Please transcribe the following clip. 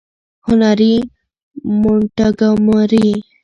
- هنري مونټګومري :